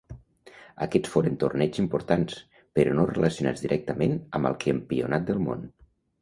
Aquests foren torneigs importants, però no relacionats directament amb el Campionat del món.